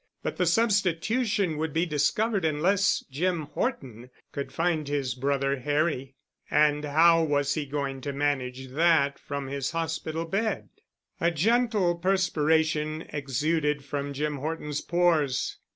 But the substitution would be discovered unless Jim Horton could find his brother Harry. And how was he going to manage that from his hospital bed? A gentle perspiration exuded from Jim Horton's pores.